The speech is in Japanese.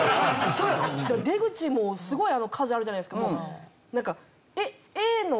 出口もすごい数あるじゃないですか。